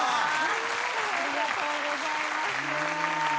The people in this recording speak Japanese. ありがとうございます。